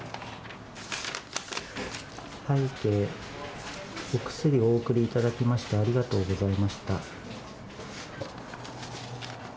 拝啓、お薬をお送りいただきましてありがとうございました。